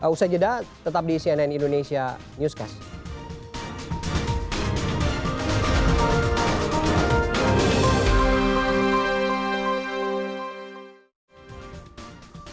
usai jeda tetap di cnn indonesia newscast